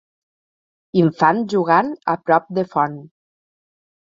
Infant jugant a prop de font